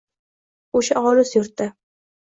O’sha olis yurtda